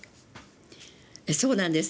そうなんです。